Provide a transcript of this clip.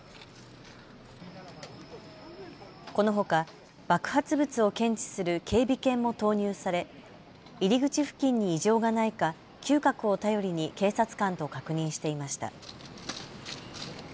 このほか爆発物を検知する警備犬も投入され入り口付近に異常がないか嗅覚を頼りに警察官と確認していました。